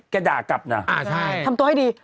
ด่ากลับนะทำตัวให้ดี